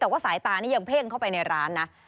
แต่ว่าสายตานี่ยังเพ่งเข้าไปในร้านนะ